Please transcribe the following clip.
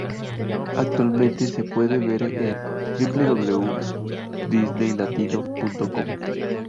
Actualmente se puede ver en www.disneylatino.com